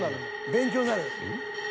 ［勉強になる］